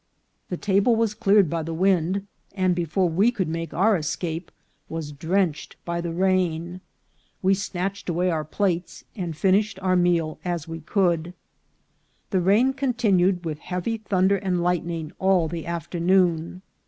The table was cleared by the wind, and, before we could make our escape, was drenched by the rain. We snatched away our plates, and finish ed our meal as we could. The rain continued, with heavy thunder and light ning, all the afternoon.